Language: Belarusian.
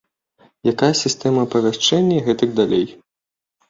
Якая сістэма апавяшчэння, і гэтак далей.